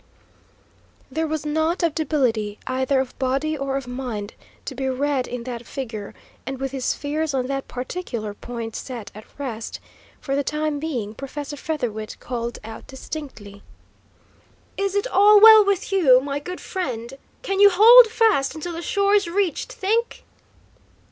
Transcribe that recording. There was naught of debility, either of body or of mind, to be read in that figure, and with his fears on that particular point set at rest, for the time being, Professor Featherwit called out, distinctly: "Is it all well with you, my good friend? Can you hold fast until the shore is reached, think?"